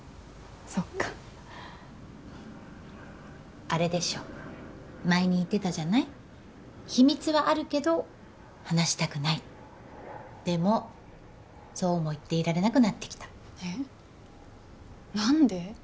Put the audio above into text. そっかあれでしょ前に言ってたじゃない秘密はあるけど話したくないでもそうも言っていられなくなってきたえっ何で？